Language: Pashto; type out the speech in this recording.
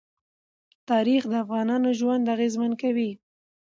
تاریخ د افغانانو ژوند اغېزمن کوي.